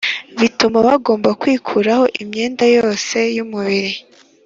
bituma bagomba kwikuraho imyanda yose y umubiri